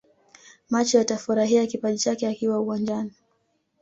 Macho yatafurahia kipaji chake akiwa uwanjani